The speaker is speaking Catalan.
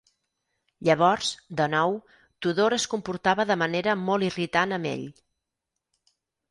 Llavors, de nou, Tudor es comportava de manera molt irritant amb ell.